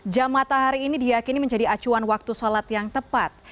jam matahari ini diakini menjadi acuan waktu sholat yang tepat